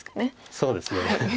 そうですね。